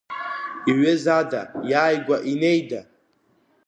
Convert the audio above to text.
Иҩызада, иааигәа инеида?